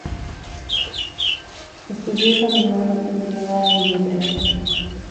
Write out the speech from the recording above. Estudió y dominó el latín, griego, árabe y hebreo.